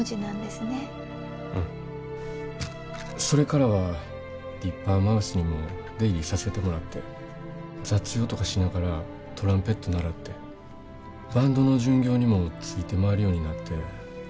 それからはディッパーマウスにも出入りさせてもらって雑用とかしながらトランペット習ってバンドの巡業にもついて回るようになって。